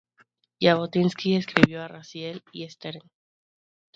Jabotinsky escribió a Raziel y Stern.